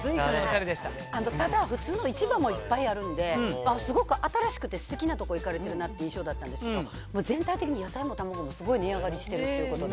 ただ普通の市場もいっぱいあるんで、すごく新しくてすてきな所、行かれてるなという印象だったんですけれども、全体的に野菜も卵もすごい値上がりしてるってことで。